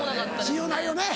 信用ないよね。